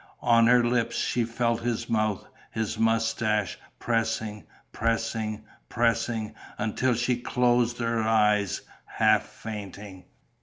On her lips she felt his mouth, his moustache, pressing, pressing, pressing, until she closed her eyes, half fainting.